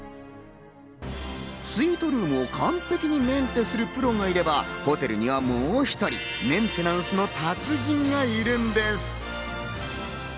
スイートルームを完璧にメンテするプロがいれば、ホテルにはもう一人、メンテナンスの達人がいるんです。